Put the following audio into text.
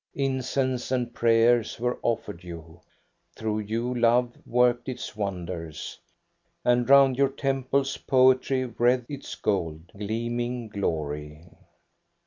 Incense and prayers were offered you, through you love worked its wonders, and round your temples poetry wreathed its gold, gleaming glory.